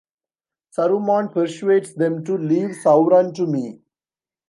Saruman persuades them to "leave Sauron to me".